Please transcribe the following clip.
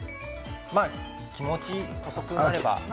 気持ち細くなれば。